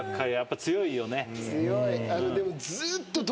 強い。